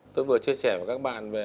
tôi vừa chia sẻ với các bạn về